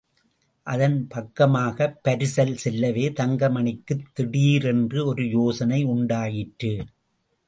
அதன் பக்கமாகப் பரிசல் செல்லவே தங்கமணிக்குத் திடீரென்று ஒரு யோசனை உண்டாயிற்று.